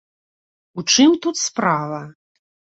У чым тут справа?